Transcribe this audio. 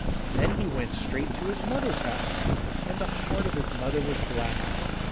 Then he went straight to his mother's house, and the heart of his mother was glad.